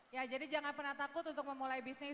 ya jadi jangan pernah takut untuk memulai bisnis